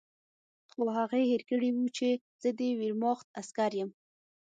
خو هغې هېر کړي وو چې زه د ویرماخت عسکر یم